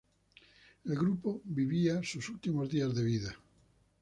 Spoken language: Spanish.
El grupo vivía sus últimos días de vida.